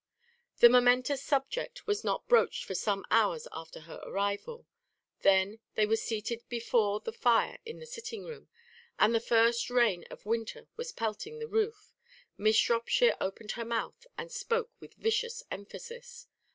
The momentous subject was not broached for some hours after her arrival. Then they were seated before the fire in the sitting room, and the first rain of winter was pelting the roof Miss Shropshire opened her mouth and spoke with vicious emphasis.